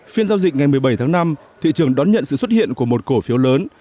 phiên giao dịch ngày một mươi bảy tháng năm thị trường đón nhận sự xuất hiện của một cổ phiếu lớn